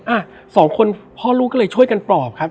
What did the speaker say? อ่ะสองคนพ่อลูกก็เลยช่วยกันปลอบครับ